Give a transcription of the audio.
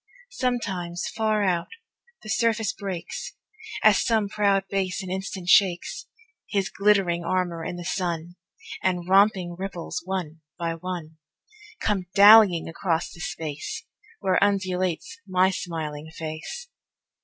Sometimes, far out, the surface breaks, As some proud bass an instant shakes His glittering armor in the sun, And romping ripples, one by one, Come dallyiong across the space Where undulates my smiling face.